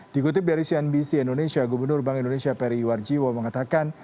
dikutip dari cnbc indonesia gubernur bank indonesia peri warjiwo mengatakan